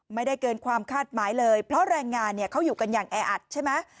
ไม่ได้เกินความคาดหมายเลยเพราะรายงานอยู่อยู่อย่างแออัดใช่มั้ย